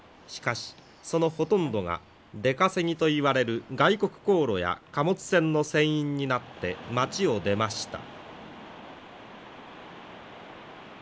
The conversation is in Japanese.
しかしそのほとんどが出稼ぎといわれる外国航路や貨物船の船員になって町を出ました。